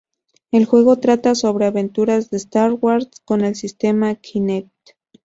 El juego trata sobre aventuras de Star Wars con el sistema Kinect.